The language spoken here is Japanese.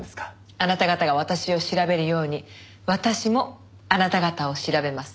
あなた方が私を調べるように私もあなた方を調べます。